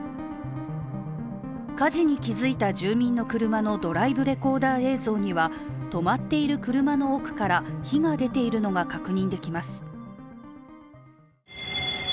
火事に気づいた住民の車のドライブレコーダー映像では止まっている車の奥から火が出ているのが確認できます。